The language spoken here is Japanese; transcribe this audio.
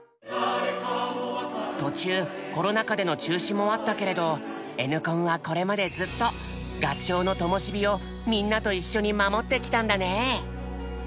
途中コロナ禍での中止もあったけれどＮコンはこれまでずっと合唱のともし火をみんなと一緒に守ってきたんだね。